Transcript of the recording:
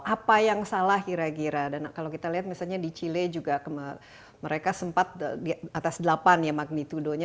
apa yang salah kira kira dan kalau kita lihat misalnya di chile juga mereka sempat di atas delapan ya magnitudonya